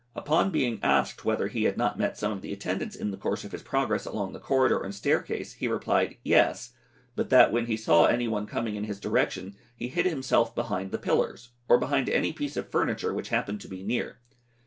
Upon being asked whether he had not met some of the attendants in the course of his progress along the corridor and staircase, he replied, "Yes," but that, when he saw any one coming in his direction, he hid himself behind the pillars, or behind any piece of furniture which happened to be near.